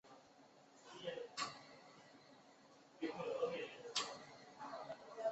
一说出自己姓。